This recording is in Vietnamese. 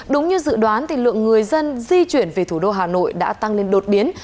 đúng như dự đoán lượng người dân di chuyển về thủ đô hà nội đã tăng lên đột biến